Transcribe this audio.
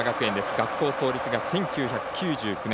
学校創立が１９９９年。